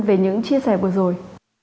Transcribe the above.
về những chia sẻ vừa rồi